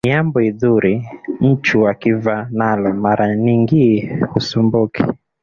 Ni yambo idhuri nchu akiva nalo mara ningii husumbuki.